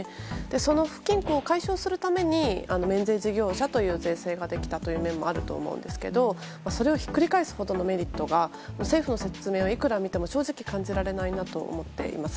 その不均衡を解消するために免税事業者という税制ができたという面もあると思うんですがそれをひっくり返すほどのメリットが政府の説明をいくら見ても正直感じられないなと思っています。